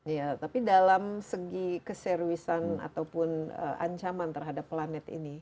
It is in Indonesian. iya tapi dalam segi keseriusan ataupun ancaman terhadap planet ini